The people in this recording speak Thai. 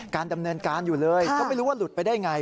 การดำเนินการอยู่เลยก็ไม่รู้ว่าหลุดไปได้ไง